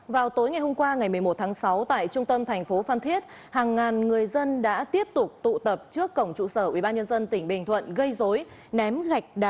các bạn hãy đăng ký kênh để ủng hộ kênh của chúng mình nhé